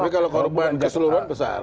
tapi kalau korban keseluruhan besar